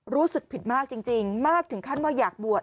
รู้สึกผิดมากจริงมากถึงขั้นว่าอยากบวช